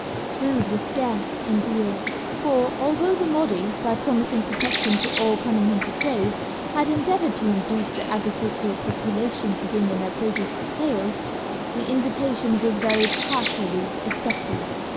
Food was scarce and dear, for although the Mahdi by promising protection to all coming in to trade had endeavoured to induce the agricultural population to bring in their produce for sale, the invitation was very partially accepted.